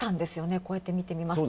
こうやって見てみますと。